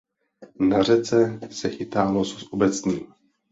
Na řece se chytá losos obecný.